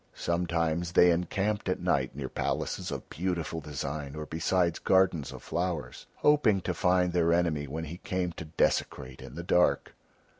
Sometimes they encamped at night near palaces of beautiful design or beside gardens of flowers, hoping to find their enemy when he came to desecrate in the dark.